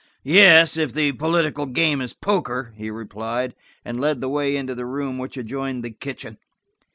"Yes, if the political game is poker," he replied, and led the way into the room which adjoined the kitchen.